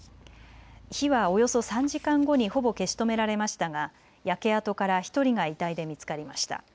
火はおよそ３時間後にほぼ消し止められましたが焼け跡から１人が遺体で見つかりました。